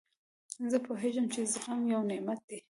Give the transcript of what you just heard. زه پوهېږم، چي زغم یو نعمت دئ.